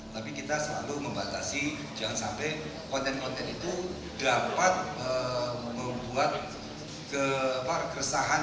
tapi kita selalu membatasi jangan sampai konten konten itu dapat membuat keresahan